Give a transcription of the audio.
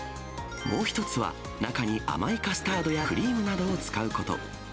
もう一つは、中に甘いカスタードやクリームなどを使うこと。